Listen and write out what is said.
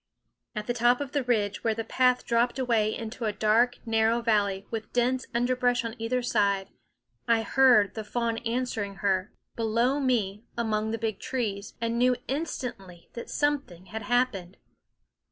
At the top of the ridge, where the path dropped away into a dark narrow valley with dense underbrush on either side, I heard the fawn answering her, below me among the big trees, and knew instantly that something had happened.